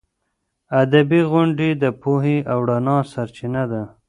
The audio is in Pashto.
ادبي غونډې د پوهې او رڼا سرچینه ده.